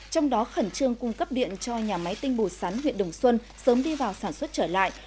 trong đó khẩn trương cung cấp điện cho nhà máy tinh bồ sắn huyện đồng xuân sớm đi vào sản xuất trở lại